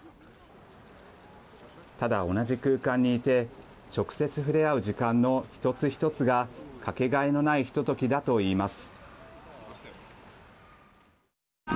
ただ同じ空間にいて直接触れ合う時間の一つ一つがかけがえのないひとときだと言います。